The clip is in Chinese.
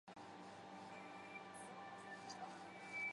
其父母皆为清华大学教授。